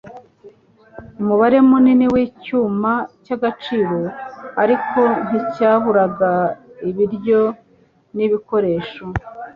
umubare munini wicyuma cyagaciro ariko nticyaburaga ibiryo nibikoresho .